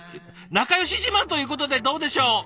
仲よし自慢ということでどうでしょう？